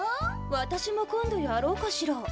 私も今度やろうかしら。